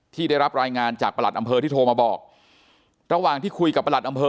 ได้รับรายงานจากประหลัดอำเภอที่โทรมาบอกระหว่างที่คุยกับประหลัดอำเภอ